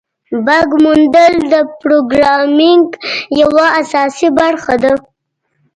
بګ موندل د پروګرامینګ یوه اساسي برخه ده.